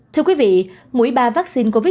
thưa quý vị mũi ba vaccine covid một mươi chín